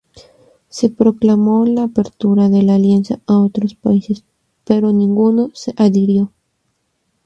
Se proclamó la apertura de la alianza a otros países, pero ninguno se adhirió.